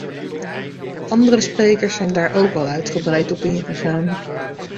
Andere sprekers zijn daar ook al uitgebreid op ingegaan.